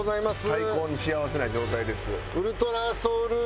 最高に幸せな状態です。